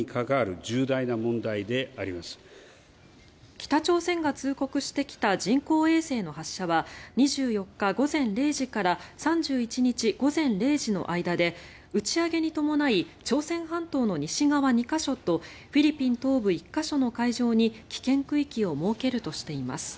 北朝鮮が通告してきた人工衛星の発射は２４日午前０時から３１日午前０時の間で打ち上げに伴い朝鮮半島の西側２か所とフィリピン東部１か所の海上に危険区域を設けるとしています。